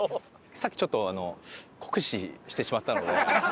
さっきちょっと酷使してしまったので。